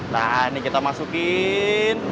nah ini kita masukin